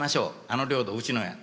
「あの領土うちのや」。